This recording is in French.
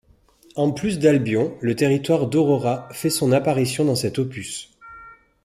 En plus d'Albion, le territoire d'Aurora fait son apparition dans cet opus.